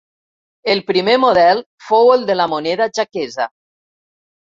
El primer model fou el de la moneda jaquesa.